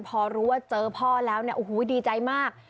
พอรู้ว่าเจอพ่อแล้วดีใจมาก